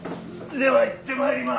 では行って参ります！